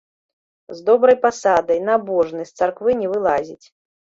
З добрай пасадай, набожны, з царквы не вылазіць.